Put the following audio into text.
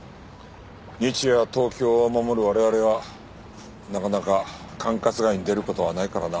日夜東京を守る我々はなかなか管轄外に出る事はないからな。